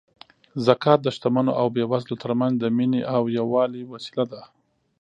زکات د شتمنو او بېوزلو ترمنځ د مینې او یووالي وسیله ده.